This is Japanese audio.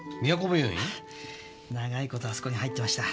長い事あそこに入ってました。